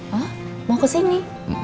hah mau kesini